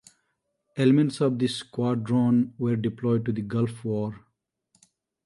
Elements of the squadron were deployed to the Gulf War.